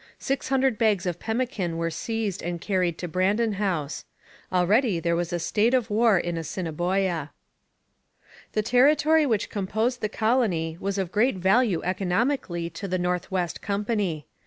Six hundred bags of pemmican were seized and carried to Brandon House. Already there was a state of war in Assiniboia. The territory which comprised the colony was of great value economically to the North West Company.